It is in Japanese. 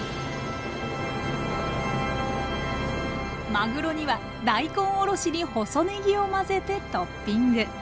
まぐろには大根おろしに細ねぎを混ぜてトッピング。